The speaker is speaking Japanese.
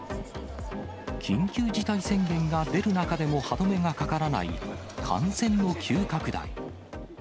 緊急事態宣言が出る中でも歯止めがかからない感染の急拡大。